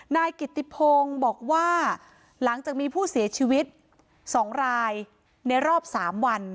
นายกิติพงศ์บอกว่าหลังจากมีผู้เสียชีวิต๒รายในรอบ๓วัน